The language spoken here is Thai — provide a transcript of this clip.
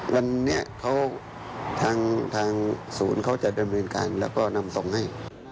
วันนี้ทางศูนย์เขาจะดำเนินการแล้วก็นำส่งให้